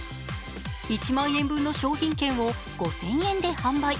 １万円分の商品券を５０００円で販売。